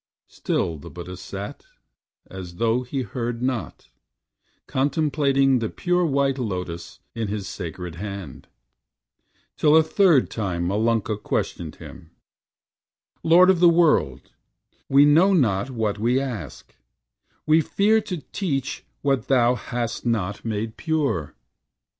Still the Buddha sat As though he heard not, contemplating The pure white Lotus in his sacred hand, Till a third time Malunka questioned him: "Lord of the World, we know not what we ask; We fear to teach what thou hast not made pure."